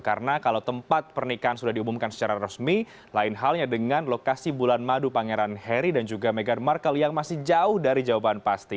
karena kalau tempat pernikahan sudah diumumkan secara resmi lain halnya dengan lokasi bulan madu pangeran harry dan juga meghan markle yang masih jauh dari jawaban pasti